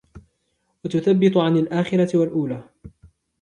وَتُثَبِّطُ عَنْ الْآخِرَةِ وَالْأُولَى